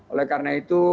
oleh karena itu